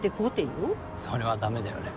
それはだめだよね